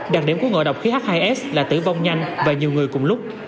đặc điểm của ngộ độc khí h hai s là tử vong nhanh và nhiều người cùng lúc